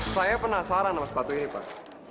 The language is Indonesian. saya penasaran sama sepatu ini pak